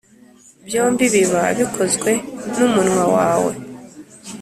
byombi biba bikozwe n’umunwa wawe.